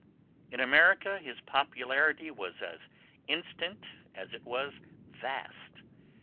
In America his popularity was as instant as it was vast.